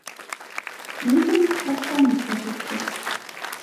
Митинг башланып та китте